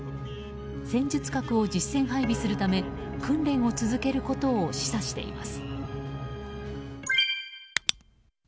戦術核を実戦配備するため訓練を続けることを示唆しています。